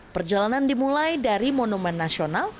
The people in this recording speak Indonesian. perjalanan dimulai dari monumen nasional